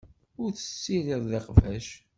Ur tessirid iqbac.